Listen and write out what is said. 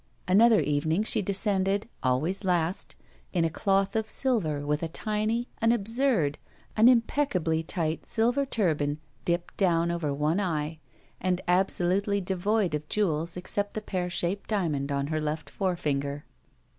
Another evening she descended, always last, in a doth of silver with a tiny, an absurd, an impeccably tight silver turban dipped down over one eye, and absolutely devoid of jewels except the pear shaped diamond on her left forefinger.